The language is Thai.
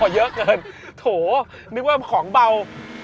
เยอะเกินโถนึกว่าของเบา